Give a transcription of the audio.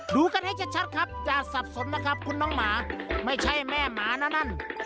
ดูกันให้ชัดครับอย่าสับสนนะครับคุณน้องหมาไม่ใช่แม่หมานะนั่น